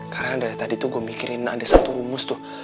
karena dari tadi tuh gue mikirin ada satu humus tuh